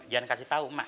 jangan kasih tahu mak ya